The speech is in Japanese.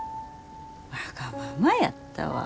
わがままやったわ。